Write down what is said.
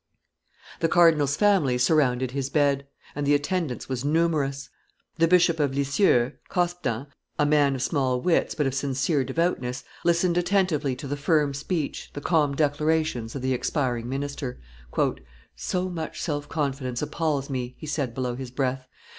The cardinal's family surrounded his bed; and the attendance was numerous. The Bishop of Lisieux, Cospdan, a man of small wits, but of sincere devoutness, listened attentively to the firm speech, the calm declarations, of the expiring minister. "So much self confidence appalls me," he said below his breath.